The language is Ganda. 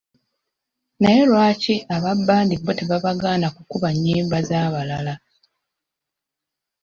Naye lwaki aba bbandi bo tebabagaana kukuba nnyimba z'abalala.